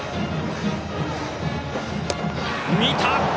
見た！